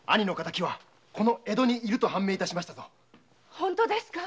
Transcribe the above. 本当ですか？